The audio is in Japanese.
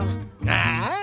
ああ？